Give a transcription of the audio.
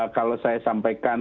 kalau saya sampaikan